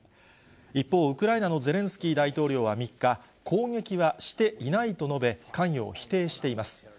一方、ウクライナのゼレンスキー大統領は３日、攻撃はしていないと述べ、関与を否定しています。